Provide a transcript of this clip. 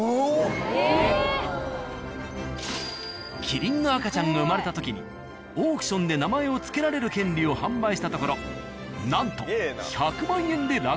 キリンの赤ちゃんが生まれた時にオークションで名前を付けられる権利を販売したところなんと１００万円で落札されたのだ。